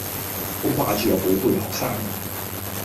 好掛住我寶貝學生